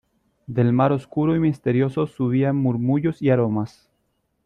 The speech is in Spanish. del mar oscuro y misterioso subían murmullos y aromas: